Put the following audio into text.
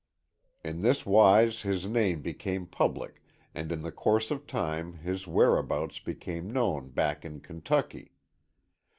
In this wise his name became public and in the course of time his whereabouts became known back in Kentucky.